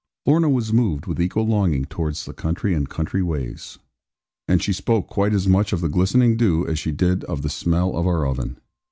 Lorna was moved with equal longing towards the country and country ways; and she spoke quite as much of the glistening dew as she did of the smell of our oven.